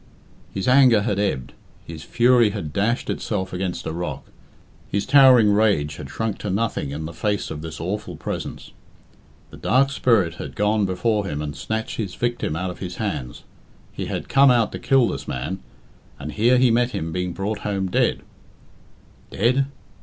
His anger had ebbed, his fury had dashed itself against a rock. His towering rage had shrunk to nothing in the face of this awful presence. The Dark Spirit had gone before him and snatched his victim out of his hands. He had come out to kill this man, and here he met him being brought home dead. Dead?